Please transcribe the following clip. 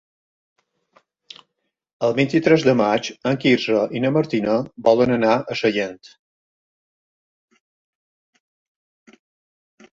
El vint-i-tres de maig en Quirze i na Martina volen anar a Sallent.